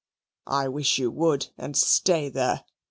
"I wish you would, and stay there.